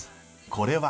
これは。